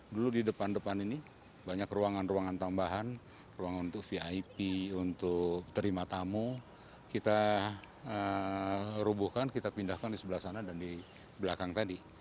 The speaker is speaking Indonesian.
dulu di depan depan ini banyak ruangan ruangan tambahan ruangan untuk vip untuk terima tamu kita rubuhkan kita pindahkan di sebelah sana dan di belakang tadi